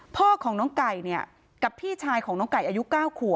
พ่อของน้องไก่เนี่ยกับพี่ชายของน้องไก่อายุ๙ขวบ